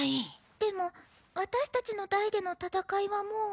でも私たちの代での戦いはもう。